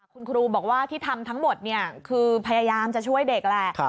คุณครูบอกว่าที่ทำทั้งหมดคือพยายามจะช่วยเด็กแหละ